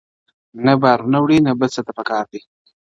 نه بارونه وړي نه بل څه ته په کار دی!.